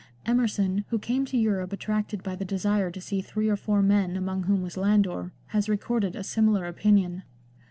Emerson, who came to Europe attracted by the desire to see three or four men among whom was Landor, has recorded a similar opinion.